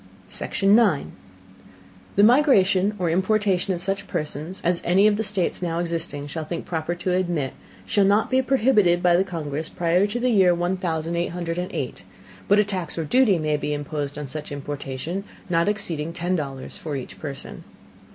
Section 9. The Migration or Importation of such Persons as any of the States now existing shall think proper to admit, shall not be prohibited by the Congress prior to the Year one thousand eight hundred and eight, but a Tax or Duty may be imposed on such Importation, not exceeding ten dollars for each Person.